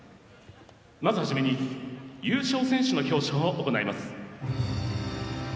まず初めに優勝選手の表彰を行います。